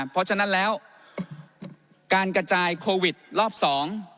เพราะฉะนั้นแล้วการกระจายโควิดรอบสอง